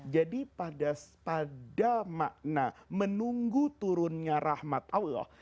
jadi pada makna menunggu turunnya rahmat allah